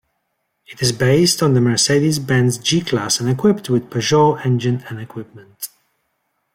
It is based on the Mercedes-Benz G-Class and equipped with Peugeot engine and equipment.